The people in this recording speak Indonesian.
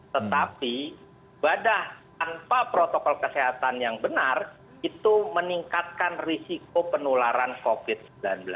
tetapi ibadah tanpa protokol kesehatan yang benar itu meningkatkan risiko penularan covid sembilan belas